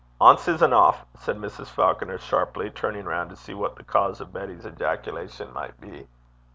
'Ance is eneuch,' said Mrs. Falconer, sharply, turning round to see what the cause of Betty's ejaculation might be.